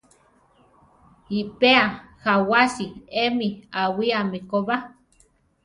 Iʼpéa jawási emi awíame ko ba.